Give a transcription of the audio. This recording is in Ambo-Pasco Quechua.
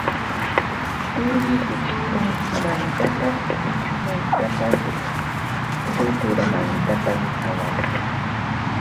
Tirihu turuqsumantapas ichumantapas tuturamantapas awasqa